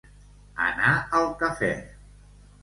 Anar al cafè.